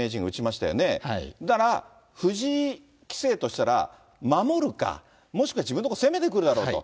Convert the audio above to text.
したら、藤井棋聖としたら、守るか、もしくは自分のとこ攻めてくるだろうと。